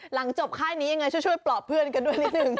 หลังจบค่ายนี้ยังไงช่วยปลอบเพื่อนกันด้วยนิดนึง